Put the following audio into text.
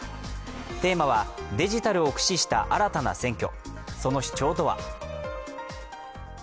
テーマはデジタルを駆使した新たな選挙。